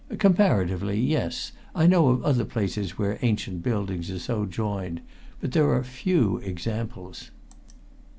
"Comparatively yes. I know of other places where ancient buildings are so joined. But there are few examples."